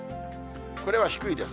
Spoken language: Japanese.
これは低いです。